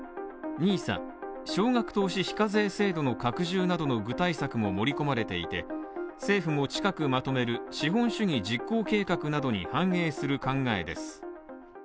ＮＩＳＡ＝少額投資非課税制度の拡充などの具体策も盛り込まれていて政府も近くまとめる資本主義実行計画などに反映する考えです。